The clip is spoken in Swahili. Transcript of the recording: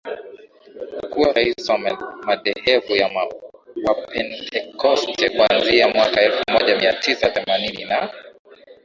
kuwa rais wa madehebu ya wapentekoste kuanzia mwaka elfu moja mia tisa themanini na